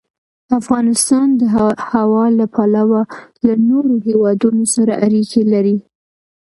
افغانستان د هوا له پلوه له نورو هېوادونو سره اړیکې لري.